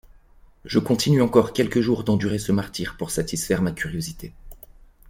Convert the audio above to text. Je continue encore quelques jours d’endurer ce martyre pour satisfaire ma curiosité.